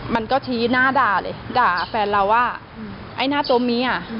มันก็ชี้หน้าด่าเลยด่าแฟนเราว่าไอ้หน้าตัวเมีย